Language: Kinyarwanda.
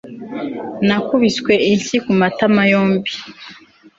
nakubiswe inshyi ku matama yombi